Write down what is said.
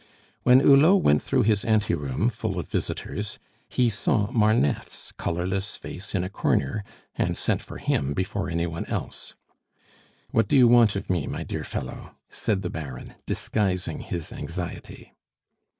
When Hulot went through his anteroom, full of visitors, he saw Marneffe's colorless face in a corner, and sent for him before any one else. "What do you want of me, my dear fellow?" said the Baron, disguising his anxiety.